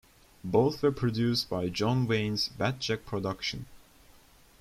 Both were produced by John Wayne's Batjac Productions.